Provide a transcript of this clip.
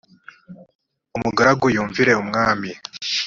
umugaragu yumvire umwami.